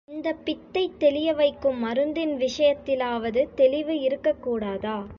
இந்தப் பித்தைத் தெளிய வைக்கும் மருந்தின் விஷயத்திலாவது தெளிவு இருக்கக்கூடாதா?